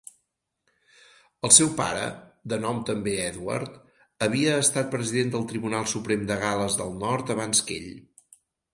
El seu pare, de nom també Edward, havia estat president del Tribunal Suprem de Gal·les del Nord abans que ell.